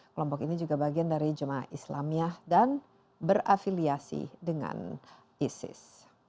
kelompok ini juga bagian dari jemaah islamiyah dan berafiliasi dengan isis